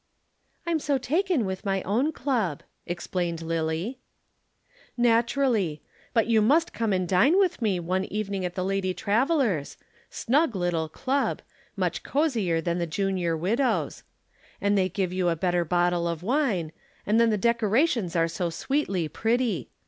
"I'm so taken up with my own club," explained Lillie. "Naturally. But you must come and dine with me some evening at the Lady Travellers' snug little club much cosier than the Junior Widows', and they give you a better bottle of wine, and then the decorations are so sweetly pretty.